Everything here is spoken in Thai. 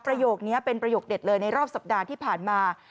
ประโยคนี้เป็นประโยคเด็ดเลยในรอบสัปดาห์ที่ผ่านมา